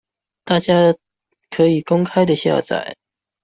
大家可以公開的下載